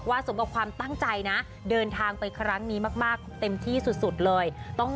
สมกับความตั้งใจนะเดินทางไปครั้งนี้มากเต็มที่สุดเลย